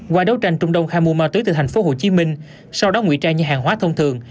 qua đấu tranh trung đông khai mua ma túy từ thành phố hồ chí minh sau đó nguy trang như hàng hóa thông thường